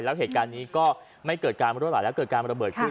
แล้วเหตุการณ์นี้ก็ไม่เกิดการรั่วไหลแล้วเกิดการระเบิดขึ้น